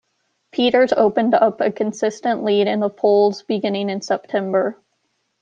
Peters opened up a consistent lead in the polls beginning in September.